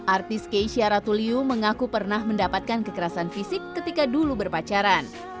artis keisha ratuliu mengaku pernah mendapatkan kekerasan fisik ketika dulu berpacaran